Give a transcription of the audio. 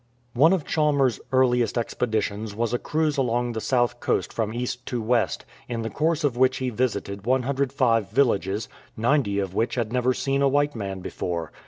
One of Chalmers' earliest expeditions was a cruise along the south coast from east to west, in the course of which he visited 105 villages, 90 of which had never seen a white man before.